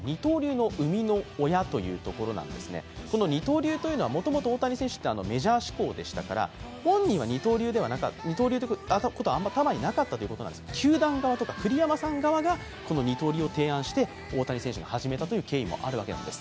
二刀流というのは、大谷選手ってメジャー思考でしたから本人は二刀流は頭になかったそうですが、球団側とか栗山さん側が二刀流を提案して大谷選手が始めたという経緯もあるわけです。